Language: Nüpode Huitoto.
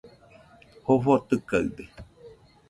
Jofo tɨkaɨde